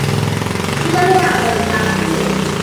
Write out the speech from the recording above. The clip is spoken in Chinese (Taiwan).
資料的長度